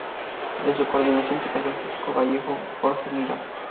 De su coordinación se encarga el físico gallego Jorge Mira.